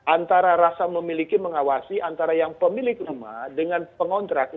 antara rasa memiliki mengawasi antara yang pemilik rumah dengan pengontrak